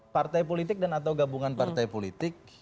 partai politik dan atau gabungan partai politik